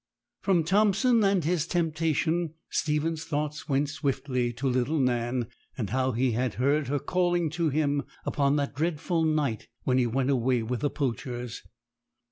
From Thompson and his temptation, Stephen's thoughts went swiftly to little Nan, and how he had heard her calling to him upon that dreadful night when he went away with the poachers.